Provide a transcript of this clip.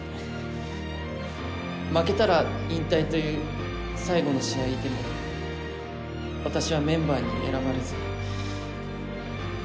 負けたら引退という最後の試合でも私はメンバーに選ばれず。